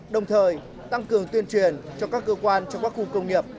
đồng thời tăng cường tuyên truyền cho các cơ quan trong các khu công nghiệp